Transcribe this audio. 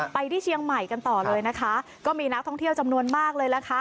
ที่เชียงใหม่กันต่อเลยนะคะก็มีนักท่องเที่ยวจำนวนมากเลยนะคะ